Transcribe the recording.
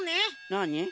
なに？